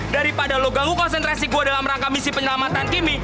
daripada lo ganggu konsentrasi gue dalam rangka misi penyelamatan kimi